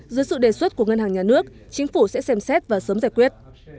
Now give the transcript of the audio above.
dưới sự đề xuất của ngân hàng nhà nước chính phủ sẽ xem xét và sớm giải quyết